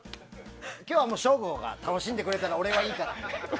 今日は省吾が楽しんでくれたら俺はいいから。